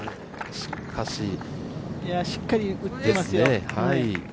しっかり打っていますよ。